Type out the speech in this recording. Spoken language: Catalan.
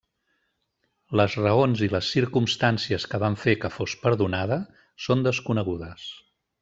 Les raons i les circumstàncies que van fer que fos perdonada són desconegudes.